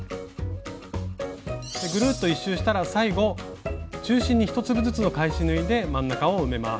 ぐるっと１周したら最後中心に１粒ずつの返し縫いで真ん中を埋めます。